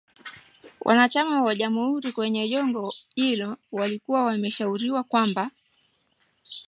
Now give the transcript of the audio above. Wanachama wa Jamuhuri kwenye jopo hilo walikuwa wameashiria kwamba